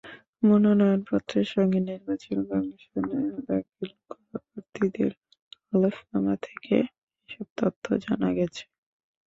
মনোনয়নপত্রের সঙ্গে নির্বাচন কমিশনে দাখিল করা প্রার্থীদের হলফনামা থেকে এসব তথ্য জানা গেছে।